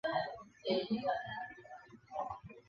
后来演变为斜红型式。